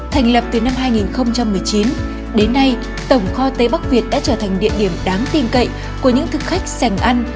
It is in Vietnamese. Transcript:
thành lập từ năm hai nghìn một mươi chín đến nay tổng kho tế bắc việt đã trở thành địa điểm đáng tin cậy của những thực khách sành ăn